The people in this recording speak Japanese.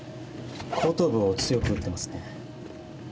後頭部を強く打ってますね。